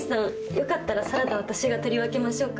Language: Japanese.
よかったらサラダ私が取り分けましょうか？